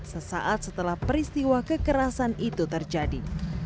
sesaat setelah peristiwa kekerasan itu terjadi